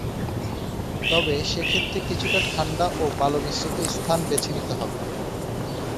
তবে সে ক্ষেত্রে কিছুটা ঠাণ্ডা ও বালু মিশ্রিত স্থান বেছে নিতে হবে।